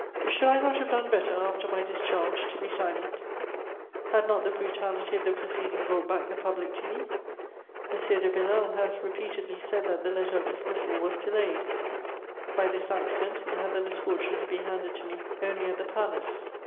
Should I not have done better, after my discharge, to be silent? Had not the brutality of the proceeding brought back the public to me? M. de Villèle has repeatedly said that the letter of dismissal was delayed; by this accident it had the misfortune to be handed to me only at the Palace.